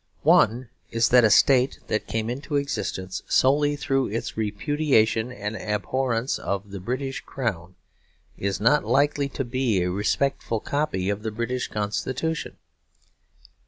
One is that a state that came into existence solely through its repudiation and abhorrence of the British Crown is not likely to be a respectful copy of the British Constitution.